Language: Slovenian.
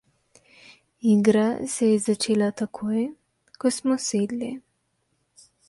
Igra se je začela takoj, ko smo sedli.